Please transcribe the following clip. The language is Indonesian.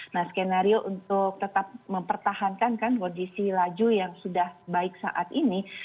nah skenario untuk tetap mempertahankan kan kondisi laju yang sudah baik saat ini